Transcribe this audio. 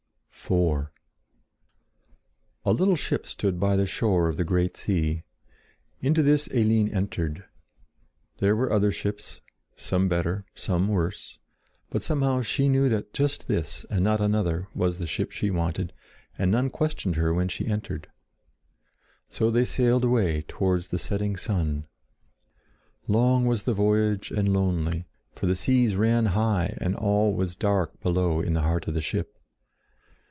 [Illustration: DOMES AND SPIRES] IV A little ship stood by the shore of the great sea; into this Eline entered. There were other ships, some better, some worse. But somehow she knew that just this, and not another, was the ship she wanted, and none questioned her when she entered. So they sailed away towards the setting sun. Long was the voyage and lonely; for the seas ran high and all was dark below in the heart of the ship.